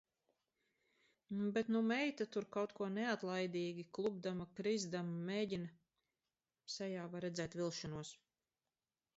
Bet nu meita tur kaut ko neatlaidīgi, klupdama krizdama, mēģina, sejā var redzēt vilšanos.